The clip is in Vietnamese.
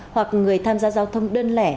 hoặc người tham gia giao thông đơn lẻ